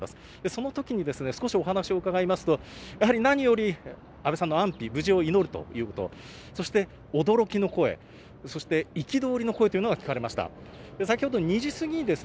そのときにですね少しお話を伺いますとやはり何より安倍さんの安否、無事を祈るということそして驚きの声そして憤りの声というのが聞かれました。